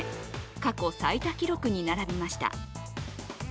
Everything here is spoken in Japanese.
過去最多記録に並びました。